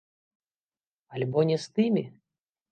Альбо не з тымі?